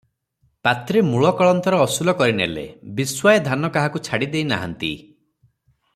ପାତ୍ରେ ମୂଳ କଳନ୍ତର ଅସୁଲ କରିନେଲେ, ବିଶ୍ୱାଏ ଧାନ କାହାରିକୁ ଛାଡ଼ି ଦେଇନାହାନ୍ତି ।